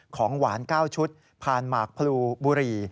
ของหวาน๙ชุดผ่านหมากพลูบุหรี่